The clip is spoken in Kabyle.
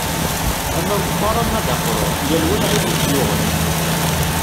Ama meqqer ama d aqrur, yal wa lɛib i t-yuɣen.